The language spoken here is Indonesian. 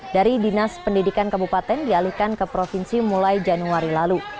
dari dinas pendidikan kabupaten dialihkan ke provinsi mulai januari lalu